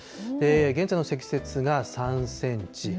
現在の積雪が３センチ。